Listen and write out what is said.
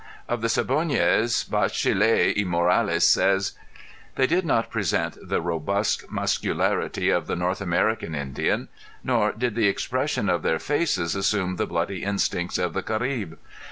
Of the Siboneyes Bachiller y Morales says: "They did not present the robust muscularity of the North American Indian nor did the expression of their faces assume the bloody instincts of the Caribe.